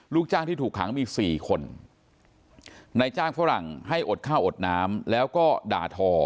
ลูกจ้างที่ถูกขังมีสี่คนในจ้างฝรั่งให้อดข้าวอดน้ำแล้วก็ด่าทอ